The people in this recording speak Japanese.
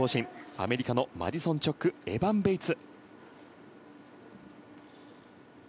アメリカのマディソン・チョックエバン・ベイツ。